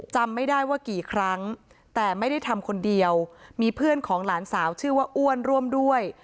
จำไม่ได้ว่ากี่ครั้งแต่ไม่ได้ทำคนเดียวมีเพื่อนของหลานสาวชื่อว่าอ้วนร่วมด้วย